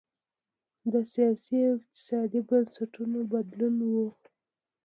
د سیاسي او اقتصادي بنسټونو بدلول و.